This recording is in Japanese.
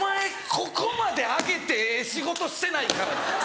ここまで上げてええ仕事してないからな！